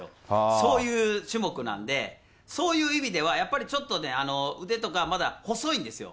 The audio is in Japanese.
そういう種目なんで、そういう意味では、やっぱりちょっとね、腕とか、まだ細いんですよ。